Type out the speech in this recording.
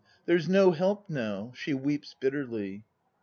There's no help now. (She weeps bitterly.)